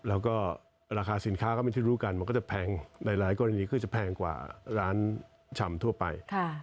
แล้วก็ราคาสินค้าก็เป็นที่รู้กันมันก็จะแพงในหลายกรณีคือจะแพงกว่าร้านชำทั่วไป